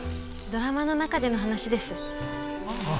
ドラマの中での話です。ああ。